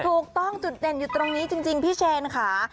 ถูกต้องจุดเด่นอยู่ตรงนี้จริงพี่เชนค่ะ